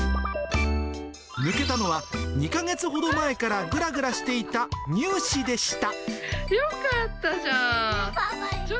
抜けたのは、２か月ほど前からぐらぐらしていた乳歯でした。